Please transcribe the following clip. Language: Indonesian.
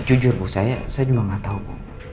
jujur bu saya juga nggak tau bu